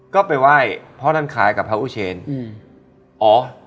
ก็ไปไหว้พ่อท่านคลายกับพระอุเชนอืม